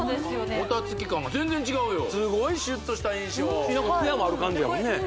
もたつき感が全然違うよすごいシュッとした印象ツヤもある感じやもんね